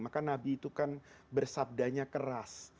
maka nabi itu kan bersabdanya keras